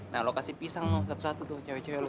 nah lo kasih pisang satu satu tuh cewek cewek lo